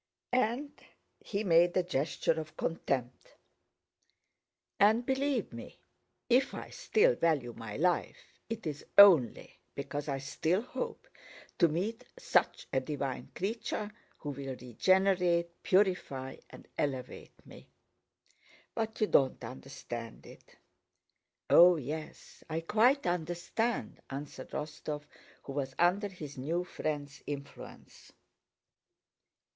and he made a gesture of contempt. "And believe me, if I still value my life it is only because I still hope to meet such a divine creature, who will regenerate, purify, and elevate me. But you don't understand it." "Oh, yes, I quite understand," answered Rostóv, who was under his new friend's influence.